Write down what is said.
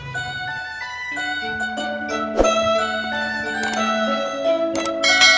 ya saya lagi konsentrasi